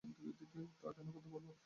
তা কেন করতে যাবো?